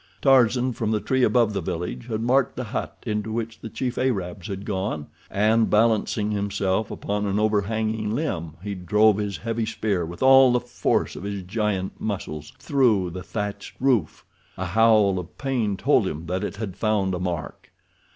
Tarzan, from the tree above the village, had marked the hut into which the chief Arabs had gone, and, balancing himself upon an overhanging limb, he drove his heavy spear with all the force of his giant muscles through the thatched roof. A howl of pain told him that it had found a mark.